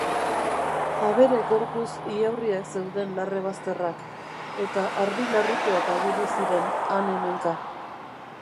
Abere gorpuz ihaurriak zeuden larre-bazterrak, eta ardi larrutuak ageri ziren han-hemenka.